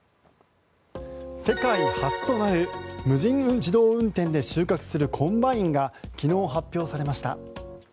世界初となる無人自動運転で収穫するコンバインが昨日、発表されました。